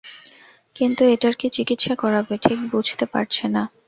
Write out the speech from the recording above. কিন্তু এটার কী চিকিৎসা করাবে ঠিক বুঝতে পারছে না।